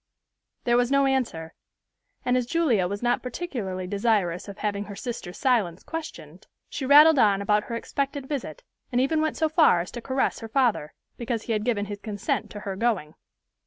There was no answer, and as Julia was not particularly desirous of having her sister's silence questioned, she rattled on about her expected visit, and even went so far as to caress her father, because he had given his consent to her going.